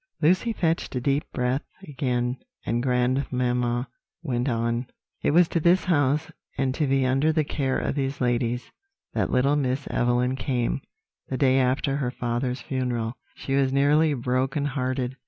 Lucy fetched a deep breath again, and grandmamma went on. "It was to this house, and to be under the care of these ladies, that little Miss Evelyn came, the day after her father's funeral. She was nearly broken hearted.